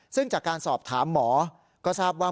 ซึ่งจากการสอบถามหมอก็ทราบว่า